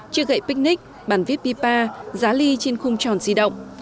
chiếc gậy picnic bàn viết pipa giá ly trên khung tròn di động